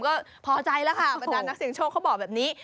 ก็พอใจแล้วค่ะบรรดานักเสียงโชคเขาบอกแบบนี้